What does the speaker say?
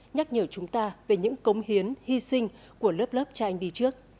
nhắc nhở chúng ta về những cống hiến hi sinh của lớp lớp cha anh đi trước